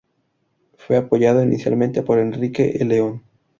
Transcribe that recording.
Fue apoyado inicialmente por Enrique el León.